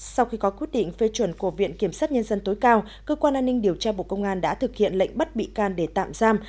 sau khi có quyết định phê chuẩn của viện kiểm sát nhân dân tối cao cơ quan an ninh điều tra bộ công an đã thực hiện lệnh bắt bị can để tạm giam